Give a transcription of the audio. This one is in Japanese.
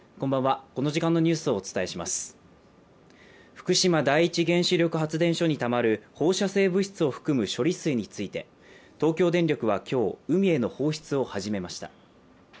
福島第一原子力発電所にたまる放射性物質を含む処理水について、東京電力は今日海への放出を始めました。